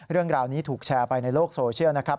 เรื่องราวนี้ถูกแชร์ไปในโลกโซเชียลนะครับ